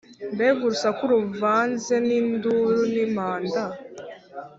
Mbega urusaku ruvanze n’induru n’impanda;